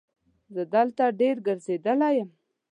زه دلته ډېر ګرځېدلی یم.